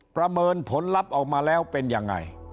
ประเมินผลลัพธ์ออกมาแล้วเป็นยังไง